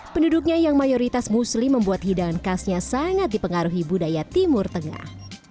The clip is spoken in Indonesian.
penduduknya yang mayoritas muslim membuat hidangan khasnya sangat dipengaruhi budaya timur tengah